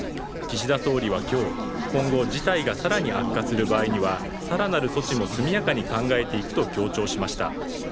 岸田総理は、今日今後事態がさらに悪化する場合にはさらなる措置も速やかに考えていくと強調しました。